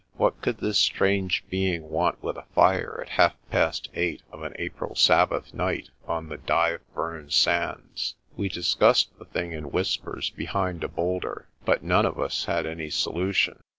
What could this strange being want with a fire at half past eight of an April Sabbath night on the Dyve Burn sands? We dis cussed the thing in whispers behind a boulder, but none of us had any solution.